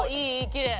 きれい。